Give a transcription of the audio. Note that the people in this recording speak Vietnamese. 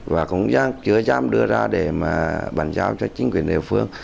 và cũng chưa dám đưa ra để mà bàn giao cho chính quyền địa phương